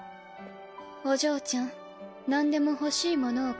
お嬢ちゃんなんでも欲しいだあ！